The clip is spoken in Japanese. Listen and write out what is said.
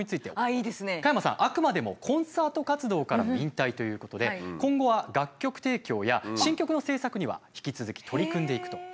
あくまでもコンサート活動からの引退ということで今後は楽曲提供や新曲の制作には引き続き取り組んでいくという。